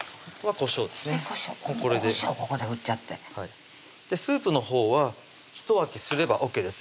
こしょうここで振っちゃってスープのほうはひと沸きすればＯＫです